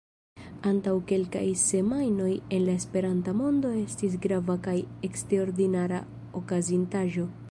Antaŭ kelkaj semajnoj en la Esperanta mondo estis grava kaj eksterordinara okazintaĵo.